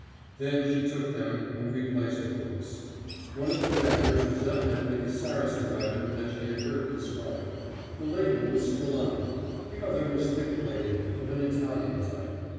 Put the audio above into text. Then she took them, and replaced the books. One of the daggers was evidently the Saracen weapon that she had heard described. The label was still on it; the other was thick bladed, of an Italian type.